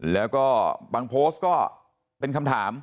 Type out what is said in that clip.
แล้วก็บางโพสต์ก็เป็นคำถาม